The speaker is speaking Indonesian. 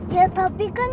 ya tapi kan